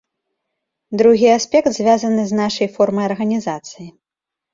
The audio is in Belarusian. Другі аспект звязаны з нашай формай арганізацыі.